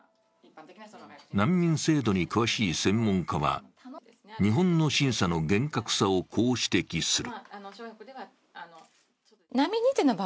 難民制度に詳しい専門家は、日本の審査の厳格さを、こう指摘する。